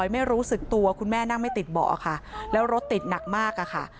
ไม่รู้สึกตัวคุณแม่นั่งไม่ติดเบาะค่ะแล้วรถติดหนักมากอะค่ะ